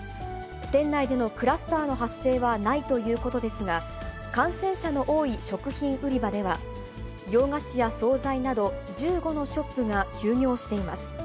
店内でのクラスターの発生はないということですが、感染者の多い食品売り場では、洋菓子や総菜など１５のショップが休業しています。